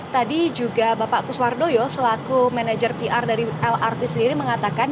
tadi juga bapak kuswardoyo selaku manajer pr dari lrt sendiri mengatakan